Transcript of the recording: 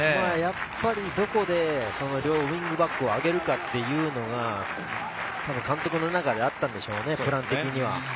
どこで両ウイングバックを上げるかというのが監督の中であったんでしょうね、プラン的には。